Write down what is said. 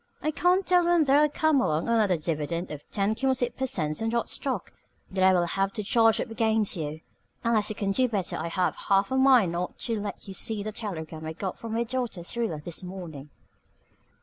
I can't tell when there'll come along another dividend of ten cumulative per cents on that stock, that I will have to charge up against you. Unless you can do better I have half a mind not to let you see the telegram I got from my daughter Syrilla this morning."